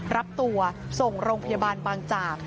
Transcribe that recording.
รับตัวส่งโรงพยาบาลบางจาก